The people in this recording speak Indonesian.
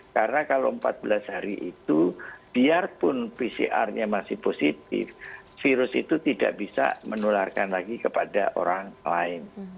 karena kalau empat belas hari itu biarpun pcr nya masih positif virus itu tidak bisa menularkan lagi kepada orang lain